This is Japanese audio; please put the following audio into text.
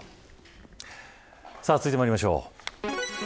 続いてまいりましょう。